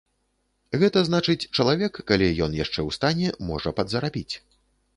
Гэта значыць, чалавек, калі ён яшчэ ў стане, можа падзарабіць.